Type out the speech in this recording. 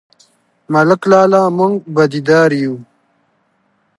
_ملک لالا، موږ بدي دار يو؟